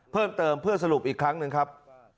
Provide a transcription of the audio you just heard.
เพิ่มเติมเพื่อสรุปอีกครั้งหนึ่งครับ